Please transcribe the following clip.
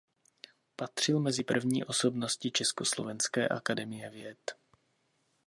Patřil mezi první osobnosti Československé akademie věd.